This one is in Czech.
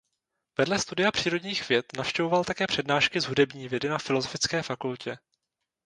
Vedle studia přírodních věd navštěvoval také přednášky z hudební vědy na Filozofické fakultě.